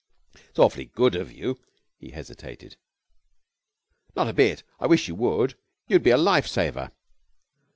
'It's awfully good of you ' He hesitated. 'Not a bit; I wish you would. You would be a life saver.'